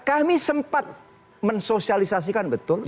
kami sempat mensosialisasikan betul